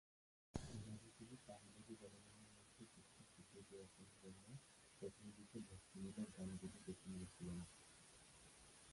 এর আগে তিনি পাঞ্জাবি জনগণের মধ্যে কিছুটা স্বীকৃতি অর্জনের জন্য প্রথম দিকে ভক্তিমূলক গানগুলি বেছে নিয়েছিলেল।